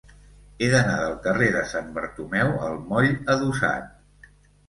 He d'anar del carrer de Sant Bartomeu al moll Adossat.